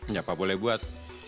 siapa boleh buat